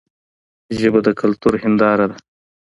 ژبه د کلتور هنداره ده.